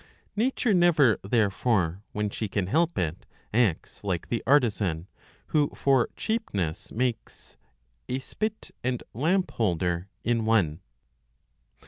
Nature never, therefore, when she can help it, acts like \ the artisan, who for cheapness makes "a spit and lamp holder" in ikone.